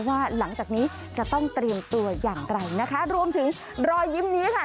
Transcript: ว่าหลังจากนี้จะต้องเตรียมตัวอย่างไรนะคะรวมถึงรอยยิ้มนี้ค่ะ